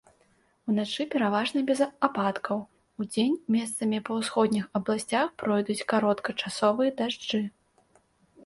Уначы пераважна без ападкаў, удзень месцамі па ўсходніх абласцях пройдуць кароткачасовыя дажджы.